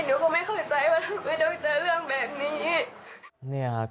หนูก็ไม่เข้าใจว่าหนูไม่ต้องเจอเรื่องแบบนี้